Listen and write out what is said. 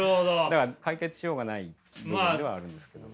だから解決しようがない部分ではあるんですけど。